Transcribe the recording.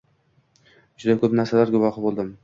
juda ko‘p narsalar guvohi bo‘ldim.